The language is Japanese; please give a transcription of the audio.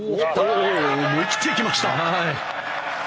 思い切って行きました。